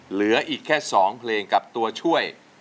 เหลืออีกแค่๒เพลงกับตัวช่วย